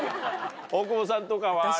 大久保さんとかはある？